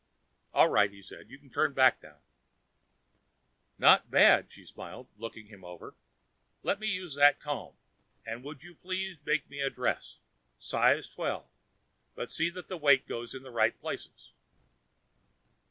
"All right," he said. "You can turn back now." "Not bad," she smiled, looking him over. "Let me use that comb and would you please make me a dress? Size twelve, but see that the weight goes in the right places."